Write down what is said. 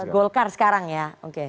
golkar sekarang ya